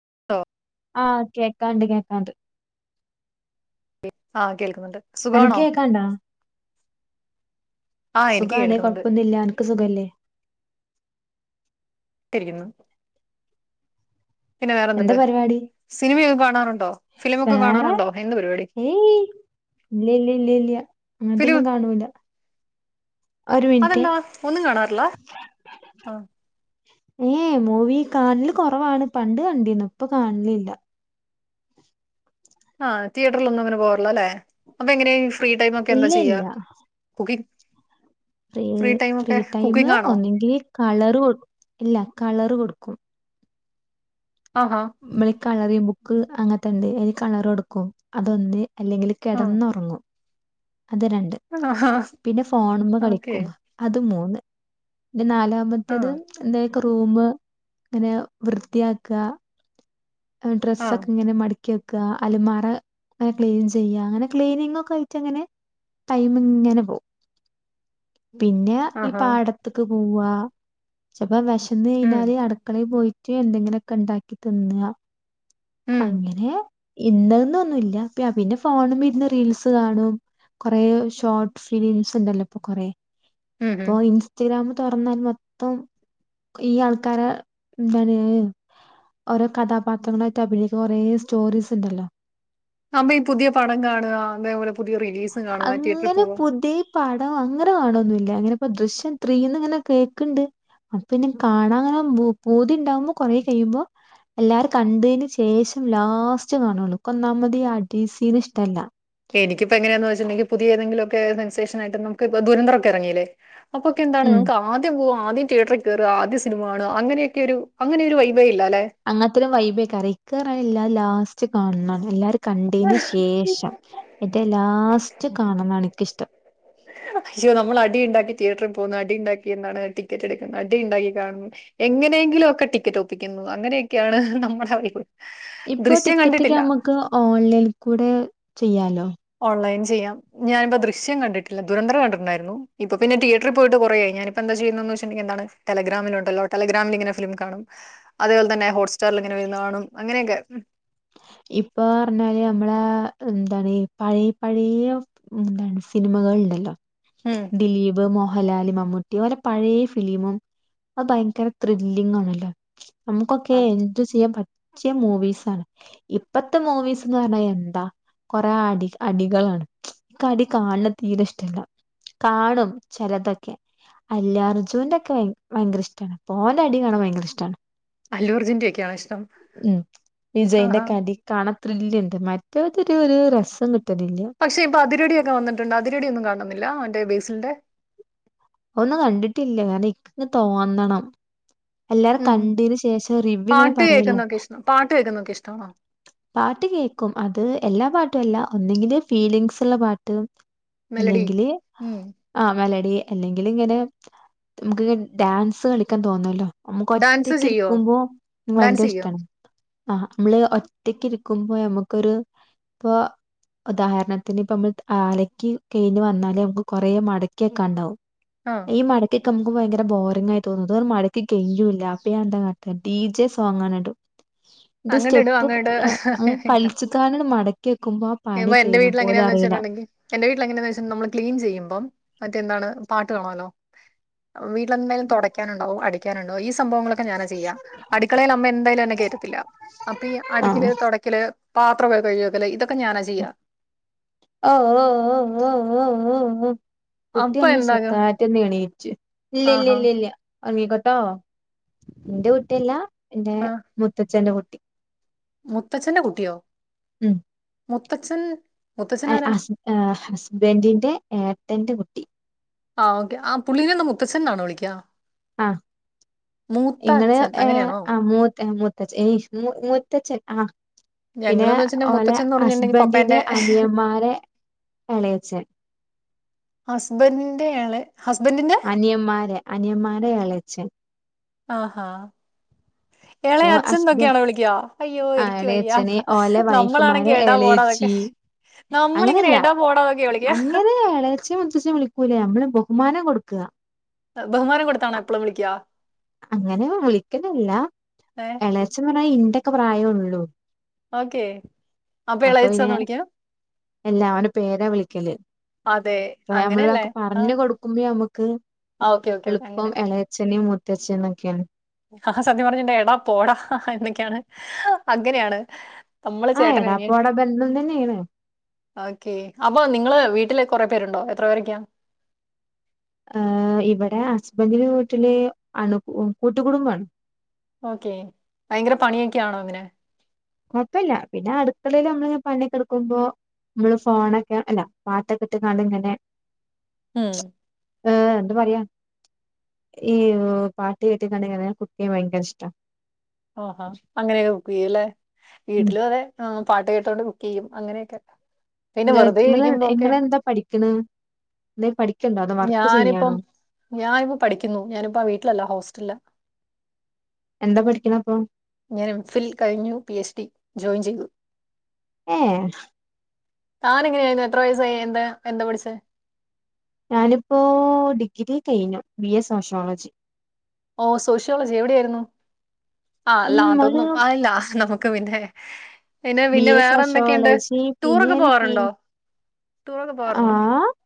[unintelligible] ആഹ് കേക്കാണ്ട് കേക്കാണ്ട്. ആഹ് കേൾക്കുന്നുണ്ട്. എനക്ക് സുഖമാണോ കേക്കാണ്ടാ? ആഹ് എനിക്ക് സുഖാണേ കേൾക്കുന്നുണ്ട് കുഴപ്പൊന്നില്ല എനക്ക് സുഖല്ലേ? [unintelligible] പിന്നെ എന്താ വേറെന്തുണ്ട് പരിപാടി സിനിമയൊക്കെ കാണാറുണ്ടോ ഫിലിമൊക്കെ കാണാറുണ്ടോ എന്ത് പരിപാടി? ഇല്ലില്ലില്ലില്ല ഫിലിം അങ്ങനത്തൊന്നും കാണൂല്ല. അതെന്താ ഒന്നും കാണാറില്ല ഹാ ഏഹേ മൂവി കാണല് കുറവാണ്. പണ്ട് കണ്ടിന്ന് ഇപ്പൊ കാണലില്ല. ആഹ് തിയേറ്ററിലൊന്നും അങ്ങനെ പോവാറില്ല അല്ലേ. അപ്പൊ എങ്ങനെയ ഫ്രീ ടൈ മൊക്കെ എന്താ ഇല്ല ചെയ്യാ? ഇല്ല Kuki free free time cooking ആണോ ഒന്നങ്കില് കളറ് കൊ ഇല്ല കളർ കൊടുക്കും ആഹാ മ്മളി കളറിംഗ് ബുക്ക് അങ്ങനത്തണ്ട് അയ്ല് കളറൊടുക്കും അതൊണ്ട്. അല്ലെങ്കില് ആഹ് കെടന്നുറങ്ങും. അത് രണ്ട് ആഹാ പിന്നെ ഫോണുമ്മ ഓക്കെ കളിക്കും അത് മൂന്ന് നെ നാലാമത്തത് ആഹ് എന്തൊക്കെ റൂമ് അങ്ങനെ വൃത്തിയാക്കാ ഡ്രസ്സ് ആഹ് ഒക്കെ ഇങ്ങനെ മട ക്കിവെക്കാ അലമാറ ക്ലീൻ ചെയ്യ അങ്ങനെ ക്ലീനിങ് ഒക്കെ ആയിട്ട് അങ്ങനെ ടൈമിങ്ങനെ പോവും പിന്നെ ഈ ആഹാ പാടത്ത്ക്ക് പോവാ ചപ്പോ വിശന്ന് ഉം കഴിഞ്ഞാല് അടുക്കളയിൽ പോയി ട്ട് എന്തെങ്കിലൊക്കെ ഉണ്ടാക്കി തിന്നാ ഉം അങ്ങനെ. ഇന്നത് ന്നൊന്നുല്ല പിന്നെ ഫോണ് മ്മേ ഇരുന്നു റീൽസ് കാണും. കൊറെ ഷോർട്ട് ഫിലിംസ് ഇണ്ടല്ലോ ഇപ്പൊ കൊറേ ഉം ഉം ഇപ്പൊ ഇൻസ്റ്റഗ്രാം തുറന്നാൽ മൊത്തം ഈ ആൾക്കാരെ എന്താണ് ഏഹ് ഓരോ കഥാപാത്രങ്ങളായിട്ട് അഭിനയിക്കുന്ന കൊറെ സ്റ്റോറീസ് ഉണ്ടല്ലോ? അപ്പം ഈ പുതിയ പടം കാണാ അതേപോലെ പുതിയ റിലീസ് കാണാ തിയേറ്ററിൽ അങ്ങനെ പോവും പുതിയ പടം അങ്ങനെ കാണൊന്നുല്ല അങ്ങനെ ഇപ്പ ദൃശ്യം ത്രീന്ന് ഇങ്ങനെ കേക്ണ്ട്. അപ്പ പിന്നെ കാണാങ്ങനെ പൂതി ഉണ്ടാവുമ്പോ കൊറേ കഴിയുമ്പോ എല്ലാരും കണ്ടേന് ശേഷം ലാസ്റ്റ് കാണുള്ളൂ ഇൻകൊന്നാമതി അടി സീന് ഇഷ്ടല്ല. എനിക്കിപ്പോ എങ്ങനെയാന്ന് വെച്ചിട്ടുണ്ടെങ്കി പുതിയഏതെങ്കിലൊക്കെ സെൻസേഷനായിട്ട് നമുക്ക് ഇപ്പൊ ദുരന്തറൊക്കെ ഇറങ്ങീല്ലേ അപ്പൊക്കെ എന്താണ് ഉം. നമുക്ക് ആദ്യം പോക ആദ്യം തിയേറ്ററിൽ കേറ ആദ്യം സിനിമ കാണാ അങ്ങനെയൊക്കെ ഒരു അങ്ങനെയൊരു വൈ അങ്ങൻത്തൊരു വൈബേക്കാറ ഇക്കർനാ എല്ലാ ലാസ്റ്റ് കാണണം എല്ലാർ കണ്ടേൻ്റെ ശേഷം എറ്റം ലാസ്റ്റ് കാണണാണ് ഇൻക്കിഷ്ടം. [unintelligible] നമ്മൾ അടി ഉണ്ടാക്കി തിയേറ്ററിൽ പോകുന്നു അടി ഉണ്ടാക്കി എന്താണ് ടിക്കറ്റ് എടുക്കുന്നത് അടി ഉണ്ടാക്കി കാണുന്നു എങ്ങനെ ങ്കിലും ഒക്കെ ടിക്കറ്റ് ഒപ്പിക്കുന്നു. അങ്ങനെയൊക്കെയാണ് നമ്മുടെ വൈബ് ഇപ്പൊ ദൃശ്യം ടിക്കറ്റ് ഒക്കെ കണ്ടിട്ടില്ല ഞമ്മക്ക് ഓൺലൈനിൽ കൂടെ ചെയ്യാലോ? ഓൺലൈൻ ചെയ്യാം. ഞാനിപ്പ ദൃശ്യം കണ്ടിട്ടില്ല. ദുരന്തർ കണ്ടിട്ട്ണ്ടായിരുന്നു ഇപ്പ പിന്ന തിയേറ്ററി പോയിട്ട് കുറേയായി ഞാനിപ്പന്ത ചെയ്യുന്നന്ന് വച്ചിട്ടുണ്ടങ്കി എന്താണ് ടെലഗ്രമില്ണ്ടല്ലോ ടെലഗ്രാമിലിങ്ങനെ ഫിലിം കാണും അതെപോലെ തന്നെ ഹോട്സ്റ്റാറിലിങ്ങനെ വരുന്ന കാണും അങ്ങനെയൊക്കെ ഇപ്പൊ പറഞ്ഞാല് നമ്മള എന്താണ് പഴയ പഴയ എന്താണ് സിനിമകൾ ഉണ്ടല്ലോ? ഉം. ദിലീപ് മോഹ ഹലാല് മമ്മൂട്ടി ഓലെ പഴയ ഫിലിമും അത് ഭയങ്കര ത്രില്ലിങ്ങണല്ലോ. ആ, നമുക്കൊക്കെ എൻജോ ചെയ്യാൻ പറ്റിയ മൂവീസാണ്. ഇപ്പത്തെ മൂവീസ് ന്ന് പറഞ്ഞാ എന്താ കൊറെ അടി അടികളാണ്. കടി കാണണ തീരെ ഇഷ്ടല്ല കാണും ചിലതൊക്കെ. അല്ല അർജുവിൻന്റെക്കെ ഭയങ്കര ഇഷ്ടമാണ് പോന്റെ അടി കാണാൻ ഭയങ്കര ഇഷ്ടണ്. അലോർജന്റയ ഒക്കെയാണ്ശ ഉം വിജയിന്റെ കടി കാണാൻ ത്രില്ല്ണ്ട്. മറ്റേതൊരു ഒരു രസം കി പക്ഷെ ഇപ്പൊ അതിരടൊക്കെ വന്നിട്ടുണ്ട് അതിരടൊന്നു കാണുന്നില്ല എന്റെ ബേസിന്റെ ഒന്നും കണ്ടിട്ടില്ലേ കാരണം ഇ തോന്നണം. എല്ലാരും ഉം ഉം. കണ്ടെന് ശേഷം റിവ്യൂ ഇങ്ങനെ പാട്ട് പറയല്ലോ. കേൾക്കുന്നതൊക്കെ ഇഷ്ടം പാട്ട് കേൾക്കുന്നതൊക്കെ ഇഷ്ടമാണോ? പാട്ട് കേക്കും അത് എല്ലാ പാട്ടും ഒന്നങ്കില് ഫീലിംഗസ് ഉള്ള പാട്ടും മെലഡി? അല്ലെങ്കില് ഉം. ആ മെലഡി അല്ലെങ്കിൽ ഇങ്ങനെ നമുക്ക്ങ്ങെ ഡാൻസ് കളിക്കാൻ തോന്നല്ലോ നമുക്ക് ഡാൻസ് ഒറ്റക്ക് ചെയ്യോ? ഇരിക്കുമ്പോ ഡാൻസ് ഭയങ്കര ചെയ്യോ? ഇഷ്ടമാണ് ആ നമ്മള് ഒറ്റക്ക് ഇ നക്കുമ്പോ നമുക്കൊരു പ്പൊ ഉദാഹരണത്തിന് ഇപ്പ നമ്മൾ ആലക്ക് കഴിഞ്ഞ് വന്നാലേ നമുക്ക് കൊറെ മടക്കിയൊക്കെ ഉണ്ടാവും ആഹ്. മടക്ക കം [unintelligible] ഭയങ്കര ബോറിംഗ ആയി തോന്നത് മഴയ്ക്ക് കയൂല്ല അപ്പൊഞാൻ എന്താ കാട്ടാ ഡി, ജെ സോങ്ങടും. അങ്ങട്ട ഇടും അങ്ങട കളിച്ചിക്കാനട് മടക്കി വെക്കുമ്പോ ആ ഇ പണി എന്റെ കഴിഞ്ഞ വീട്ടിൽ പോലും എങ്ങനെയാന്ന് അറിയില്ല വെച്ചിട്ടുണ്ടെങ്കി എന്റെ വീട്ട എങ്ങനെയന്ന് വെച്ചട്ടണ്ട നമ്മ ക്ലീൻ ചെയ്യുമ്പം മറ്റെന്താണ് പാട്ട് കാണല്ലോ വീട്ടിലെന്തായാലും തുടക്കാനോണ്ടാവും അടിക്കാനോണ്ടാവും ഈ സംഭവങ്ങളൊക്കെ ഞാനാ ചെയ്യാം അടുക്കളയിൽ അമ്മ എന്തായാലും എന്നെ കയറ്റത്തില്ല അപ്പൊ ഈ അടിക്കില് ആഹ് തൊടക്കല് പാത്രം കഴിഞ്ഞോക്കല് ഇത ഓ ഹ കുട്ടി അപ്പൊ ഒന്ന് [unintelligible] എന്താകാ ഒന്ന് എണീച്ച് ഇല്ല്യ ഇല്ല്യ ആഹാ ഇല്ല്യ ഇല്ല്യ ഒങ്ങീക്കോട്ടോ ന്റെ കുട്ട്യല്ല ന്റെ മൂത്തച്ഛന്റെ കുട്ടി മൂത്തഛന്റെ കുട്ടിയോ? ഉം. മുത്തഛൻ ഹസ്ബ ഹസ്ബൻഡിന്റെ ഏട്ടറെ കുട്ടി ആ ഓക്കേ ആ പുള്ളീനെന്ന് മുത്തച്ഛന്നാണോ വിളിക്കാ? ആ മൂത്ത ഇങ്ങനെ അച്ഛൻ ഏ അങ്ങനെയാണോ ആ് മൂത്ത മൂത്തച്ച്ച ഏയ് മൂത്തച്ഛൻ ആ പിന്നെ ഞങ്ങളെന്ന് വെച്ചിട്ടുണ്ടെങ്കിൽ ലെ മുത്തച്ഛൻ എന്ന് പറഞ്ഞിട്ടുണ്ടെങ്കിൽ ഹസ്ബൻറിന്റെ പപ്പേന്റെ അനിയന്മാരെ അളയച്ചൻ ഹസ്ബൻറിന്റെയെളേ അനിയന്മാരെ അനിയന്മാരെ അളച്ച ആഹഹ ഓ ഹസ്ബൻഡ് എളയച്ഛന്നൊക്കെയാണോ വിളിക്കുവാ? അയ്യോ ആ എനിക്ക് വയ്യ. എളേച്ചന് ഓലെ നമ്മളാണെങ്കിൽ വൈഫുമാരെ എടാ പോടാ ഒക്കെ. എളേച്ചി അങ്ങനെയല്ല അങ്ങനെ ഇളച്ച മുത്തഛും വിളിക്കൂലേ നമ്മളും കുമാന കൊടുക്കുക ബഹുമാനം കൊടുത്താണോ എപ്പോളും വിളിക്കുക. അങ്ങനെ വിളിക്കലില്ല ഏഹ് എളേച്ഛൻ പറഞ്ഞ ഇന്റൊക്കെ പ്രായോള്ളൂ. ഓക്കെ, അപ്പൊ ഇളയച്ഛാന്ന് വിളിക്ക? എല്ല അവന് പേരാ വിളിക്കല് അതെ അ അങ്ങനെയല്ലേ? നമ്മളതൊക്കെ ആഹ് പറഞ്ഞഞ് കൊടുക്കുമ്പോ നമ്മുക്ക് ആഹ് ഓക്കേ ഓക്കേ ഓക്കേ എളുപ്പം അങ്ങനെ. എളയച്ചന് മൂത്തച്ഛന്നൊക്കെയാണ്. ആ സത്യ പറഞ്ഞിണ്ട എടാ പോടാ എന്നൊക്കെയാണ് അങ്ങനെയാണ്. നമ്മള് ആ ചേട്ടന് എടാപ്പോട ബന്ധം തന്നെയാണ് ഓക്കെ അപ്പൊ നിങ്ങള് വീട്ടിലെ കൊറെ പേരുണ്ടോ, എത്ര പേരൊക്കെയാ? ഏ ഇവിടെ അസ്ബൻഡന്റെ വീട്ടില് അണു കൂട്ടുകടുംബമാണ് ഓക്കെ ഭയങ്കര പണിയൊക്കൊണോ അങ്ങനെ കുഴപ്പില്ല പിന്നെ അടുക്കളയില് നമ്മള് ഇങ്ങനെ പണിയൊക്കെ എടുക്കുമ്പോ നമ്മള് ഫോണൊക്കെ അല്ല പാത്തൊക്കെ ഇട്ടങ്ങളിങ്ങനെ ഉം. ആഏ എന്താ പറയാ ഈ പാട്ടി കട്ടിിക്കണ്ട കുക്ക ഭയങ്കര ഇഷ്ടം ഓഹാ അങ്ങനെയൊക്കെ ബുക്ക് ചെയ്യല്ലേ ഉം വീട്ടിലും അതെ പാട്ട് കേട്ടോണ്ട് ചെയ്യും അങ്ങനെയൊക്കെ. പിന്നെ വെറുതെ ഇരിക്കുമ്പോ ഒക്കെ ഇങ്ങള് ന്താ പഠിക്കണേ എന്തേ പഠിക്ക ഞാനിപ്പം ഞാനിപ്പ പഠിക്കുന്നു. ഞാനിപ്പ വീട്ടിലല്ല ഹോസ്റ്റല്ലാ. എന്താ പഠിക്കണ അപ്പൊ എം ഫില് കഴിഞ്ഞു പി എച്ച് ഡി ജോയിൻ ചെയ്തു. ഏ. താൻ എങ്ങനായിരുന്നു എത്ര വയസായി എന്താ എന്താ പഠിച്ചേ? ഞാനിപ്പോ ഡിഗ്രി കഴിഞ്ഞു, ബി എ സോഷ്യോളജി. ഓ സോഷ്യോളജി എവിടെയായിരുന്നു ഉം ആല്ല ഇങ്ങള് അതൊന്നും ആല്ല നമുക്ക് പിന്നെ പിന്നെ ബി പിന്നെ എ വേറെ എന്തൊക്കെയുണ്ട് സോഷ്യോളജി പിന്നെ ടൂറൊക്കെ ഞാന് പി പോവാറുണ്ടോ ആ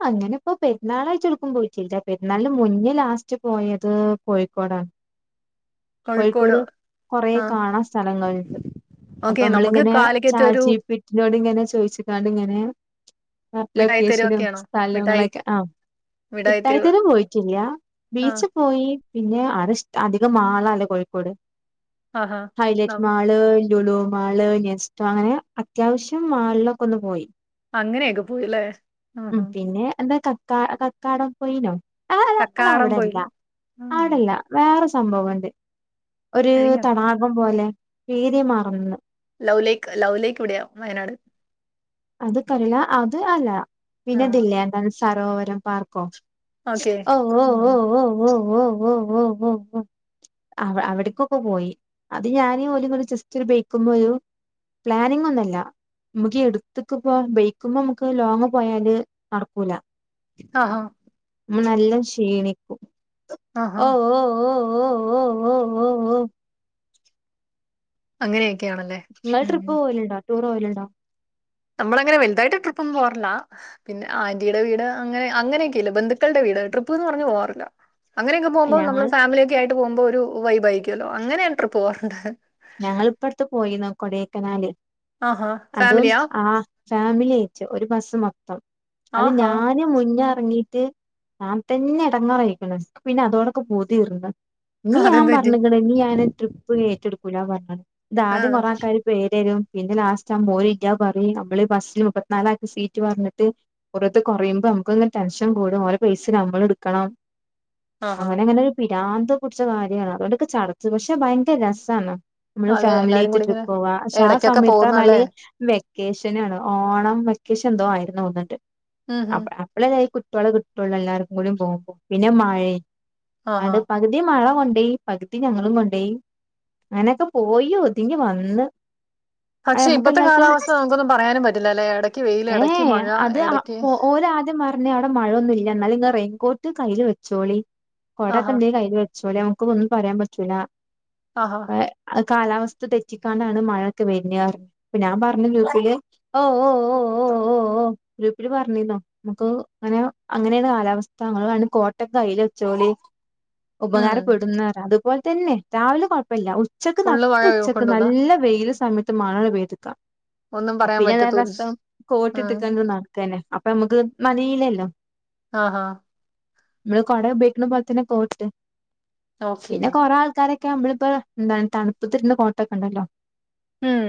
അങ്ങനെ ഇപ്പോ പെരുന്നാളാഴി പോയിട്ടില്ല പരുന്നാലും മുന്നേ ലാസ്റ്റ് പോയത് കോഴിക്കോടാണ് കോഴിക്കോട് കുറെ ആ കാണാ സ്ഥലങ്ങളൾുണ്ട് അപ്പൊ ഓക്കെ നമുക്ക് അമ്മളിങ്ങനെ കാലിക്കറ്റ് ചാറ്റ് ഒരു ജി പീ ടി നോട് ഇങ്ങനെ ചോയിച്ച്ങ്ങാണ്ട് ഇങ്ങനെ മിഠായി ലൊക്കേഷനും തെരുവൊക്കെയാണോ മിഠായി സ്ഥലങ്ങളൊക്കെ ആ മിഠായി തെരുവ് ഇട്ടായിത്തരം പോയിട്ടില്ല ആ ബീച്ച് പോയി പിന്നെ ആടെ ഇഷ് അധികം മാളലേ കോഴിക്കോട്, ആഹാ ഹൈലൈറ്റ് നം- മാള് ലുലു മാള്, നെസ്റ്റോ അങ്ങനെ അത്യാവശ്യം മാളിലൊക്കൊന്ന് പോയി അങ്ങനെയൊക്കെ പോയിലേ ഉ പിന്നെ എന്താ കക്കാ കക്കാടം പോയിനോ ആ കക്കാടം പോയി അതവിടെല്ല ഉം. അവിടെല്ല വേറെ സ് സംഭവണ്ട് ഒര് എനിക്ക് തടാകം പോലെ പേര് മറന്ന്. ലവ് ലേക്ക്, ലവ് ലേക്ക് ഇവിടെയാ വയനാട്. അത് കറില്ല അത് അല്ല ആ പിന്നെതില്ലേ എന്ത സരോവരം പാർക്കോ ഓക്കെ ഓ ഓ ഉം ഓ ഉം ഓ ഓ ഓ ഓ ഓ ഓ ഓ. അവ അവിടേക്കൊക്കെ പോയി അത് ഞാനും പോല ജസ്റ്റ് ഒരു ബെയക്കുമ്പോ ഒരു പ്ലാനിങ് ഒന്നുല്ല ബെയ്ക്കുമ്പോ മ്മക്ക് ലോങ്ങ് പോയാല് നടക്കൂല. ആഹ ആഹ നമ്മ നല്ലാം ക്ഷീണിക്കും ആഹാ ഓ ഓ ഓ ഓ ഓ ഓ ഓ ഓ അങ്ങനെയൊക്കെയാണല്ലേ ഉം. ടൂറോവലിണ്ടോ? നമ്മള അങ്ങനെ വലുതായിട്ട് ട്രിപ്പന്നും പോറില്ല പിന്നെ ആന്റീുടെ വീട് അങ്ങനെ അങ്ങനെയൊക്കെല്ല ബന്ധുക്കളുടെ വീട് ട്രിപ്പ്ന്ന് പറഞ്ഞു പോവാാറില്ല അങ്ങനെയൊക്കെ പോവ്മ്പോ നമ്മള് ഞങ്ങൾ ഫാമിലിയൊക്കയായിട്ട് പോവ്മ്പോ ഒരു വൈബായിരിക്കല്ലോ, അങ്ങനെഞാ ട്രിപ്പ് പോവാറ്ണ്ട്. ഞങ്ങള് ഇപ്പടുത്ത് പോയിന്നബ കൊടേക്കനാല്. ആഹാ അതും ഫാമിലിയാ ആ ഫാമിലി ആയിച്ച ഒരു ബസ് മൊത്തം അത് ആഹാ ഞാന് മുന്ന ഞാൻ തന്നെ എടങ്ങാറായിരിക്കിണ് ഇൻക്ക് പിന്നെ അതോടൊക്കെ പൂതിർന്ന് ഇീ ഞാൻ അതെന്ത് പറ്റി പറഞ്ഞണ നീ ഞാൻ ട്രിപ്പ് ഏറ്റെടുക്കൂല ൻ പറഞ്ഞ ഇതാദ്യം ആഹ് കൊറ ആക്കാർ പേരരും പിന്നെ ലാസ്റ്റ് ആകുമ്പോര് ഇല്ല പറ നമ്മള് ബസ്സിൽ മുപ്പത്തിനാല ആക്കെ സീറ്റ് പറഞ്ഞിട്ട് പുറത്ത് കുറയുമ്പോ നമുക്കെന്ന് ടെൻഷൻ കൂടും ഓരെ പൈസ ഞമ്മൾ എടുക്കണം ആഹാ അങ്ങനെ അങ്ങനെ ഭ്രാന്ത്‌ പിടിച്ച കാര്യമാണ് അതുകൊണ്ടൊക്കെ ചടച്ച പക്ഷെ ഭയങ്കര രസമാണ് നമ്മള് അതെ ഫാമിലി എല്ലാരും ആയിട്ട് കൂടി ട്രിപ്പ് ഇങ്ങനെ പോവാ പക്ഷെ ആ എടക്കൊക്കെ സമയത്തഞ്ഞാല് പോകുന്നല്ലേ വെക്കേഷന ആണ് ഓണം മക്ക [unintelligible] എന്തോ ആയിരുന്നു എന്നിട്ട് ഉം ഉം അപ്പഴല്ല കുട്ടികള കുട്ടുള്ള എല്ലാവർക്കും കൂടി പോകുമ്പോ പിന്നെ മഴ- ആഹാ അണ്ട് [unintelligible] പകുതി മഴ കൊണ്ടേ പകുതി ഞങ്ങളും കൊണ്ടയി അങ്ങനൊക്കെ പോയി ഒത്ങ്ങി വന്ന്. അത് പക്ഷെ നമുക്ക് ഇപ്പത്തെ എല്ലാർക്കും കാലാവസ്ഥ നമുക്കൊന്നും പറയാനും പറ്റില്ലല്ലേ എടക്ക് വെയിൽ എടക്ക് മഴ എടക്ക് ഇവര് ആദ്യംപറഞ് അവിടെ മഴയന്നുമല്ല എന്നാല ഇ അറ [unintelligible] കൊട്ട് കയ്യിൽ വെച്ചോളി കൊട ആഹാ! കയ്യിൽ വെച്ചോളി നമുക്ക് ഒന്നും പറയാൻ പറ്റൂല ആഹ. കാലാവസ്ഥ തെറ്റിക്കാണ്ടാണ് മഴൊക്കെ വെര്ണെന്നറഞ്ഞ്, ഇപ്പ ഞാ പറഞ്ഞ ഗ്രൂപ്പില് ഓ ഓ ഓ ഓ ഓ ഓ ഗ്രൂപ്പിൽ പറഞ്ഞീന്നോ മ്മക്ക് അങ്ങനേണ് കാലാവസ്ഥ, ഇങ്ങള് വേണേ കോട്ടെക്കെ ആയി [inaudible] ഉം. ഉപകാരപ്പെടുന്ന അതുപോലെ തന്നെ രാവിലെ കൊഴപ്പില്ല ഉച്ചക്ക് ഫുള്ള് നട്ട മഴ ഉച്ചക്ക് കൊണ്ടുവന്നാ നല്ല വെയില സമയത്ത് മഴപെയ്തു ഒന്നും പറയാൻ പിന്നെന്തല്ല പറ്റത്തൂല്ല. രസം കോഓട്ട് ഉം. ഇട്ടക്കണ്ട നടക്ക തന്നെ അപ്പൊ നമുക്ക് മഴയിലല്ലോ ആഹ ആഹ നമ്മള് കൊട ഉപയോഗിക്ക്ണ പോലെ തന്നെ കോട്ട്, ഓക്കേ. പിന്നെ കൊറെ ആൾക്കാരൊക്കെ മ്മളിപ്പോ എന്താണ് തണുപ്പ്ത്തിരുന്ന കോട്ടൊക്കെ ഉണ്ടല്ലോ ഉം.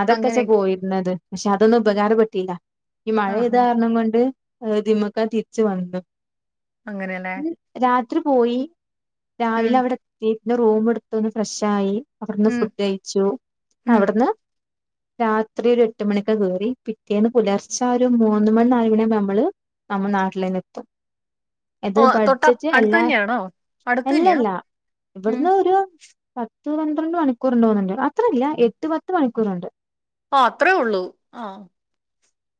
അതൊക്കെച്ചാ അങ്ങനെയൊക്കെ. പോയിരുന്നത് പക്ഷെ അതൊന്നും ഉപകാര പട്ടിയില്ല ഈ മഴെയ്ത ആഹാ! കാരണം കൊണ്ട് ് തിമുക്കാൻ തിരിച്ചു വന്നു അങ്ങനെയല്ലേ രാത്രി പോയി ഉം. രാവിലെ അവിടെ എത്തി പിന്നെ റൂമ എടുത്തന്ന് ഫ്രഷ ആയി അവിടുന്ന് ഉം. ഫുഡ് അയച്ചു ഉം. അവിടുന്ന് രാത്രി ഒരു എട്ട് മണിക്കെ കയറി പിറ്റേന്ന് പുലർച്ച ഒരു മൂന്ന് മണി നൽവിണ നമ്മള് നമ്മൾ നാട്ടിലേന്നെത്തും [inaudible] അത് തൊട്ട ബഡ്ജറ്റ് അല്ല അടുത്ത് തന്നെയാണോ? അടുത്ത് തന്നെയാ? അല്ലല്ല ഉം. ഇവിടുന്ന് ഒരു- പത്ത് പന്ത്രണ്ട് മണിക്കൂർണ്ട പോകുന്നുണ്ട് അത്രല്ല എട്ട് പത്ത് മണിക്കൂറണ്ട് ആ അത്രേ ഉള്ളൂ ആഹ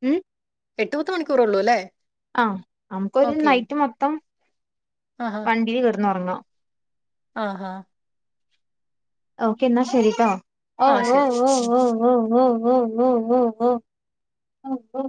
ഉം എട്ടുപത് മണിക്കൂറ ഉള്ളൂ അല്ലേ ആഹ നമുക്കൊരു ഓക്കേ. നൈറ്റ് മൊത്തം വണ്ടിൽ കയറന്ന്ുറങ്ങാം ആഹ ആഹ ഓക്ക എന്നാ ശരിരിക്കാ ഓ ആ ഓ ശരി. ഓ ഓ ഓ ഓ ഓ ഓ ഓ ഓ ഓ